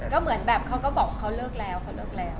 ก็เหมือนแบบเขาก็บอกว่าเขาเลิกแล้วเขาเลิกแล้ว